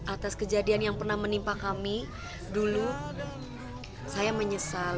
atas kejadian yang pernah menimpa kami dulu saya menyesal